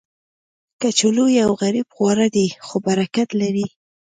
کچالو یو غریب خواړه دی، خو برکت لري